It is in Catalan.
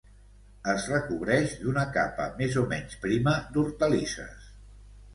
Es recobreix d'una capa més o menys prima d'hortalisses